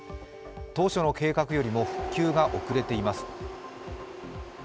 当初の計画よりも復旧が遅れています。